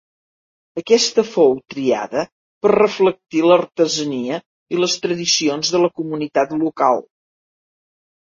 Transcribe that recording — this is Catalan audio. Aquesta fou triada per reflectir l'artesania i les tradicions de la comunitat local.